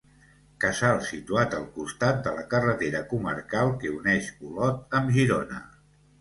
Casal situat al costat de la carretera comarcal que uneix Olot amb Girona.